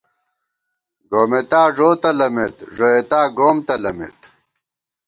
گومېتاݫو تلَمېت ، ݫوئیتا گوم تلَمېت